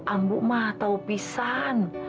ambu tahu pisah